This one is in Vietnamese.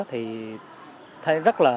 thì thấy rất là